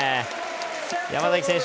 山崎選手